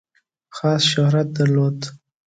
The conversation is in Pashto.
خاص شهرت درلود.